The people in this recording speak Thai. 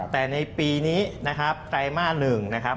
แต่ในปีนี้นะครับไตรมาส๑นะครับ